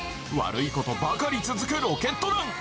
悪いことばかり続くロケット団。